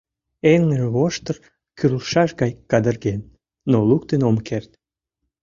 Эҥырвоштыр кӱрлшаш гай кадырген, но луктын ом керт.